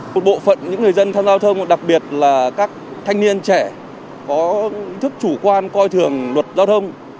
một bộ phận những người dân tham gia giao thông đặc biệt là các thanh niên trẻ có thức chủ quan coi thường luật giao thông